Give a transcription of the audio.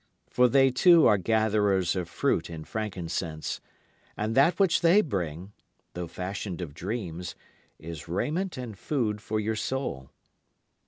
For they too are gatherers of fruit and frankincense, and that which they bring, though fashioned of dreams, is raiment and food for your soul.